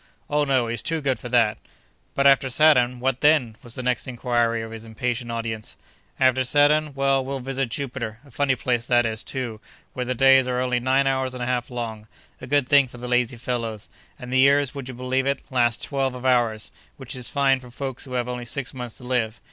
"Oh! no, he's too good for that." "But, after Saturn—what then?" was the next inquiry of his impatient audience. "After Saturn? Well, we'll visit Jupiter. A funny place that is, too, where the days are only nine hours and a half long—a good thing for the lazy fellows—and the years, would you believe it—last twelve of ours, which is fine for folks who have only six months to live.